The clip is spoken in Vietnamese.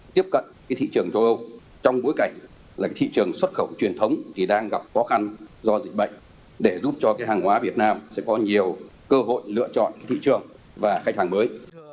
điều này sẽ giúp cho hàng hóa việt nam có nhiều cơ hội lựa chọn thị trường và khách hàng mới